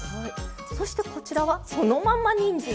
そしてこちらはそのまんまにんじん。